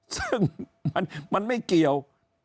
ซึ่งมันไม่เกี่ยว